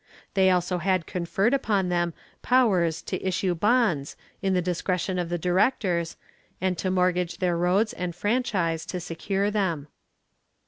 They also had conferred upon them powers to issue bonds, in the discretion of the directors, and to mortgage their roads and franchise to secure them.